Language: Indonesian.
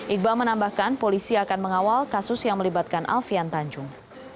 iqbal menambahkan polisi akan mengawal kasus yang melibatkan alfian tanjung